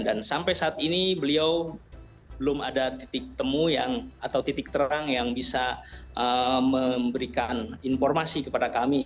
dan sampai saat ini beliau belum ada titik temu atau titik terang yang bisa memberikan informasi kepada kami